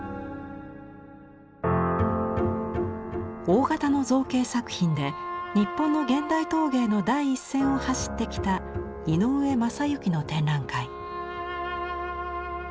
大型の造形作品で日本の現代陶芸の第一線を走ってきた井上雅之の展覧会。